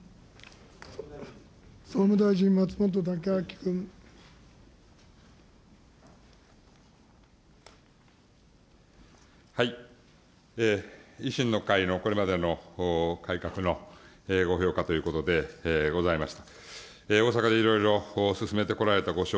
総務大臣、維新の会のこれまでの改革のご評価ということでございました。